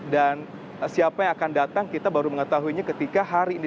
dan siapa yang akan datang kita baru mengetahuinya ketika hari ini